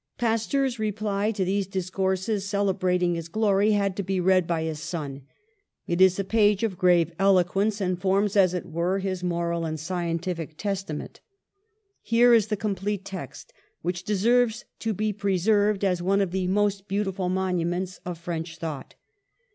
Pasteur's reply to these discourses celebrat ing his glory had to be read by his son; it is a page of grave eloquence, and forms as it were his moral and scientific testament. Here is the complete text, which deserves to be preserved as one of the most beautiful monuments of French thought.